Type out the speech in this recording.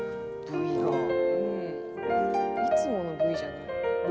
「うん」「いつものＶじゃない」